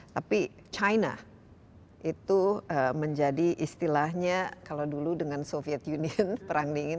tapi china itu menjadi istilahnya kalau dulu dengan soviet union perang dingin